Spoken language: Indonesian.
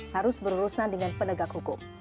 harus berurusan dengan penegak hukum